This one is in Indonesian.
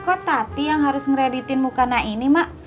kok tati yang harus ngereditin mukana ini mak